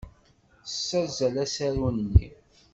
Tessazzel asaru-nni.